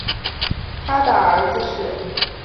他的儿子是金密索尔。